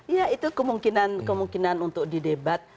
iya itu kemungkinan untuk di debat